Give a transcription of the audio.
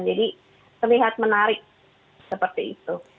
jadi terlihat menarik seperti itu